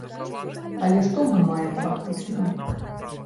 Але што мы маем фактычна?